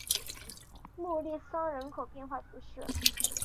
穆利桑人口变化图示